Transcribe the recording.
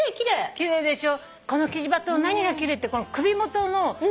奇麗でしょ。